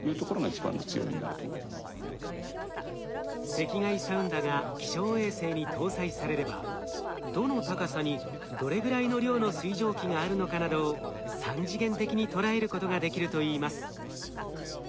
赤外サウンダが気象衛星に搭載されればどの高さにどれぐらいの量の水蒸気があるのかなどを３次元的にとらえることができるといいます。